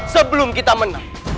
sebelum kita menang